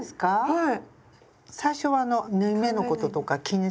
はい。